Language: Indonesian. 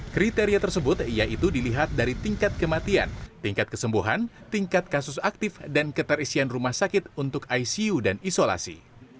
kriteria tersebut yaitu dilihat dari tingkat kematian tingkat kesembuhan tingkat kasus aktif dan keterisian rumah sakit untuk icu dan isolasi